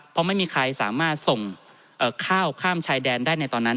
เพราะไม่มีใครสามารถส่งข้าวข้ามชายแดนได้ในตอนนั้น